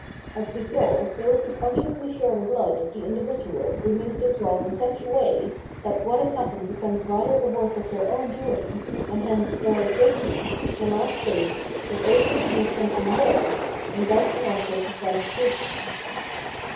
As we saw, those who consciously share the blood of the in dividual remove this wrong in such a way, that what has happened becomes rather a work of their own doing, and hence bare existence, the last state, gets also to be something willed, and thus an object of gratification.